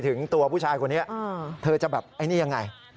ถึงตัวผู้ชายคนนี้เธอจะแบบไอ้นี่ยังไง